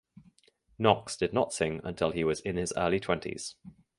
Knox did not sing until he was in his early twenties.